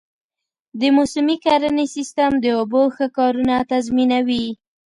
د موسمي کرنې سیستم د اوبو ښه کارونه تضمینوي.